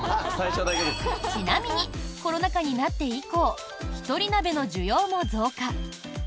ちなみにコロナ禍になって以降ひとり鍋の需要も増加。